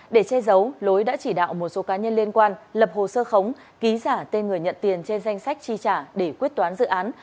để che giấu lối đã chỉ đạo một số cá nhân liên quan lập hồ sơ khống ký giả tên người nhận tiền trên danh sách chi trả để quyết toán dự án